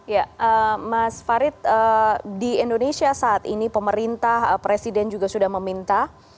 ya mas farid di indonesia saat ini pemerintah presiden juga sudah meminta